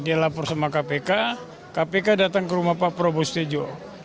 dia lapor sama kpk kpk datang ke rumah pak prabowo stejo